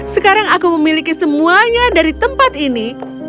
sekarang aku memiliki semuanya dari tempat ini